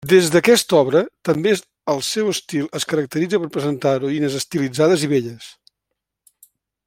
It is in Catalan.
Des d'aquesta obra també el seu estil es caracteritza per presentar heroïnes estilitzades i belles.